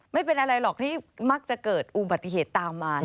ไม่เป็นอะไรหรอกที่มักจะเกิดอุบัติเหตุตามมา